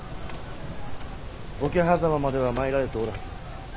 桶狭間までは参られておるはず。